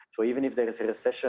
jadi meskipun ada resesi